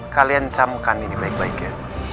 kalian camkan ini baik baik ya